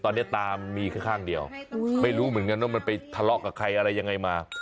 ตอนนี้ตามีข้างเดียวไม่รู้เหมือนกันว่ามันไปทะเลาะกับใครอะไรยังไงมา